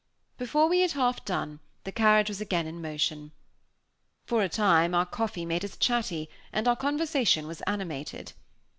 Before we had half done, the carriage was again in motion. For a time our coffee made us chatty, and our conversation was animated.